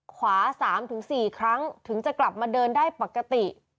ขวา๓๔ครั้งถึงจะกลับมาเดินได้ปกติ